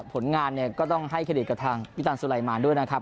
ผลงานเนี่ยก็ต้องให้เครดิตกับทางพี่ตันสุไลมารด้วยนะครับ